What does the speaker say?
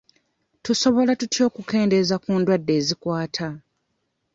Tusobola tutya okukendeeza ku ndwadde ezikwata?